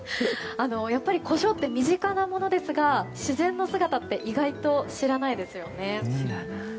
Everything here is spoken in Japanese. コショウって身近なものですが自然の姿って意外と知らないですよね。